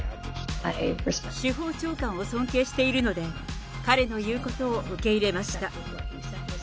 司法長官を尊敬しているので、彼の言うことを受け入れました。